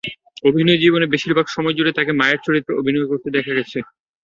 অভিনয়জীবনের বেশির ভাগ সময়জুড়েই তাঁকে মায়ের চরিত্রে অভিনয় করতে দেখা গেছে।